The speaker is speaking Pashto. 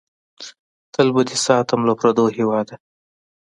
تل به دې ساتم له پردو هېواده!